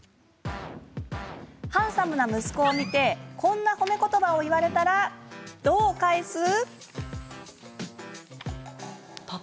ハンサムな息子を見てこんな褒め言葉を言われたらどう返す？